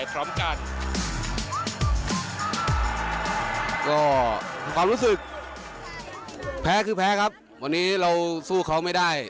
ก็ความรู้สึกแพ้คือแพ้ครับวันนี้เราสู้เขาไม่ได้